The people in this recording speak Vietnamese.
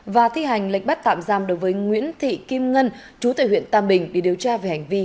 và thi hành lệnh bắt tạm giam đối với nguyễn thị kim ngân chú tại huyện tam bình để điều tra về hành vi